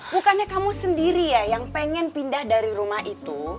bukannya kamu sendiri ya yang pengen pindah dari rumah itu